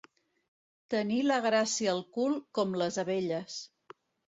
Tenir la gràcia al cul com les abelles.